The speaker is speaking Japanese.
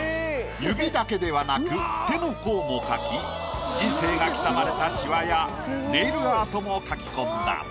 指だけではなく手の甲も描き人生が刻まれたシワやネイルアートも描き込んだ。